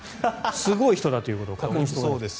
すごい人だということを確認しておかないと。